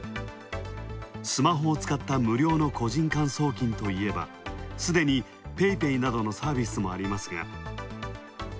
スマホを使った無料の個人間送金といえばすでにＰａｙＰａｙなどのサービスもありますが。